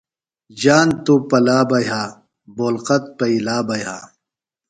ژان توۡ پلا بہ یھہ بولقع پیِئلا بہ یھہ۔